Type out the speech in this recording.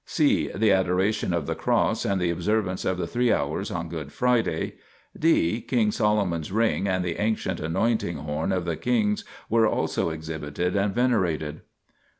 (c] The adoration of the Cross and the observ ance of the Three Hours on Good Friday. (d) King Solomon's ring and the ancient anoint ing horn of the kings were also exhibited and venerated.